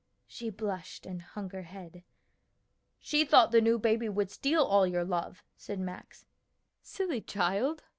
She blushed and hung her head. "She thought the new baby would steal all your love," said Max. "Silly child!"